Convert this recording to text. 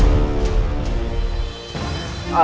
aku akan menangkapmu